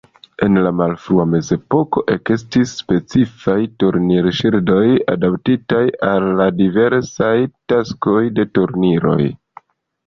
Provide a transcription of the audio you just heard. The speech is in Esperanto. En la malfrua mezepoko ekestis specifaj turnir-ŝildoj, adaptitaj al la diversaj taskoj de turniroj.